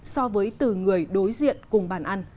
so với từ người đối diện cùng bàn ăn